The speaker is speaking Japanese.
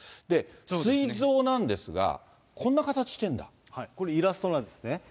すい臓なんですが、こんな形してこれイラストなんですね。